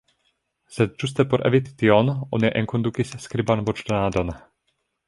Sed ĝuste por eviti tion oni ja enkondukis skriban voĉdonadon.